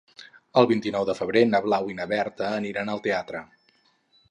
El vint-i-nou de febrer na Blau i na Berta aniran al teatre.